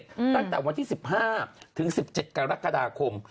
ตั้งแต่วันที่๑๕ถึง๑๗กรกฎาคม